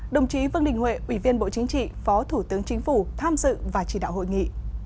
đồng chí vương đình huệ ủy viên bộ chính trị phó thủ tướng chính phủ tham dự và chỉ đạo hội nghị